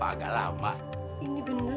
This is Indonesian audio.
enggak saya yang kekenyangan